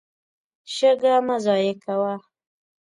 شګه مه ضایع کوه.